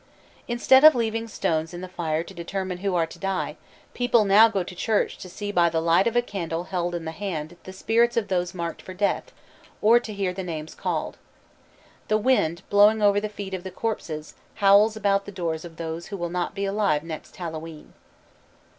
Instead of leaving stones in the fire to determine who are to die, people now go to church to see by the light of a candle held in the hand the spirits of those marked for death, or to hear the names called. The wind "blowing over the feet of the corpses" howls about the doors of those who will not be alive next Hallowe'en.